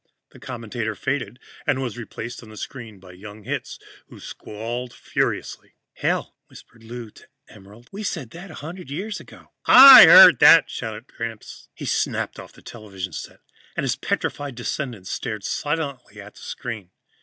The commentator faded, and was replaced on the screen by young Hitz, who squalled furiously. "Hell!" whispered Lou to Emerald. "We said that a hundred years ago." "I heard that!" shouted Gramps. He snapped off the television set and his petrified descendants stared silently at the screen.